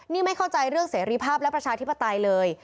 นี่ไม่เข้าใจเรื่องเสรีภาพและประชาธิปไตยเลย